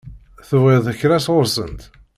Tebɣiḍ kra sɣur-sent?